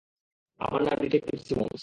আমার নাম detective Simmons.